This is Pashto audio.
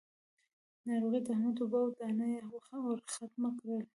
ناروغي د احمد اوبه او دانه يې ورختم کړل.